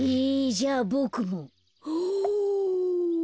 じゃあボクも。すぅ。